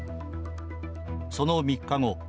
その３日後。